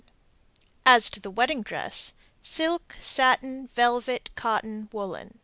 As to the wedding dress: Silk, satin, velvet, cotton, woolen.